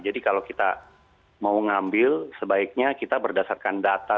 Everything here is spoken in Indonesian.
jadi kalau kita mau ngambil sebaiknya kita berdasarkan data